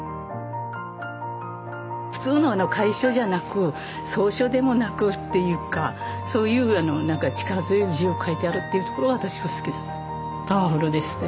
普通の楷書じゃなく草書でもなくっていうかそういうなんか力強い字を書いてあるっていうところが私は好きだった。